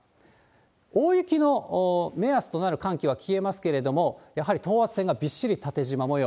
大雪の目安となる寒気は消えますけれども、やはり等圧線がびっしり縦じま模様。